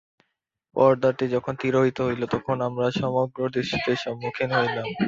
পর্দাটি যখন তিরোহিত হইল, তখন আমরা সমগ্র দৃশ্যটির সম্মুখীন হইলাম।